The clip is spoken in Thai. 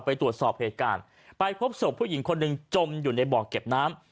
ไปตรวจสอบเหตุการณ์ไปพบศพผู้หญิงคนหนึ่งจมอยู่ในบ่อเก็บน้ำ